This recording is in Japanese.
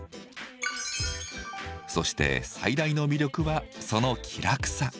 そして最大の魅力はその気楽さ。